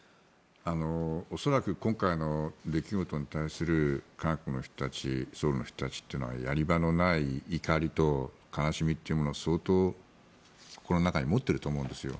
恐らく今回の出来事に対する韓国の人たちソウルの人たちというのはやり場のない怒りと悲しみを相当、心の中に持っていると思うんですよ。